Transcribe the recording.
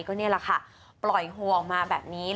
ก็นี่แหละค่ะปล่อยหัวออกมาแบบนี้